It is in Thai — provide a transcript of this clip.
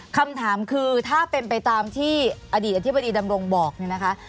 คำถามคือถ้าเป็นไปตามที่อดีตอธิบดีดำรงบอกเนี่ยนะคะ